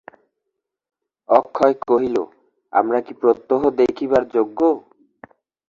অক্ষয় কহিল, আমরা কি প্রত্যহ দেখিবার যোগ্য?